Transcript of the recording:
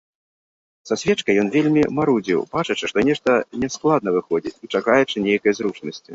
Са свечкай ён вельмі марудзіў, бачачы, што нешта няскладна выходзіць, і чакаючы нейкай зручнасці.